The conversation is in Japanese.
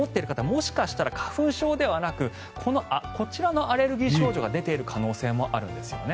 もしかしたら花粉症ではなくこちらのアレルギー症状が出ている可能性もあるんですよね。